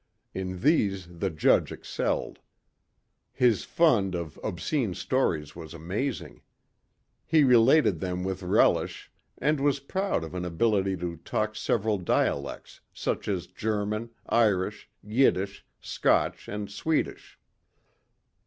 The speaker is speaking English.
In these the judge excelled. His fund of obscene stories was amazing. He related them with relish and was proud of an ability to talk several dialects such as German, Irish, Yiddish, Scotch and Swedish.